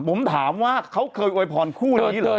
ผมถามว่าเขาเคยโวยพรคู่นี้เหรอ